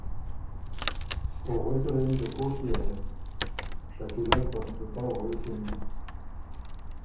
او غوېکه له یِن که کوک يې هې؟ شکیلۀ ل په سپُتو غوېکِن